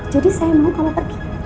jadi saya mau kamu pergi